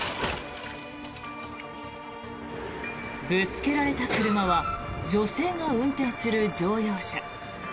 ぶつけられた車は女性が運転する乗用車。